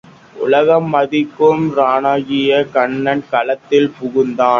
உலகம் மதிக்கும் வீரனாகிய கன்னன் களத்தில் புகுந்தான்.